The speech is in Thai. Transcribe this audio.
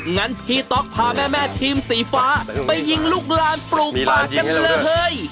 งั้นพี่ต๊อกพาแม่ทีมสีฟ้าไปยิงลูกลานปลูกปากกันเลย